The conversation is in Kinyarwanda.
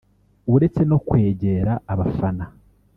uretse no kwegera abafana